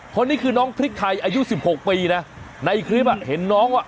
เพราะนี่คือน้องพริกไทยอายุ๑๖ปีนะในคลิปอ่ะเห็นน้องอ่ะ